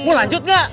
mau lanjut gak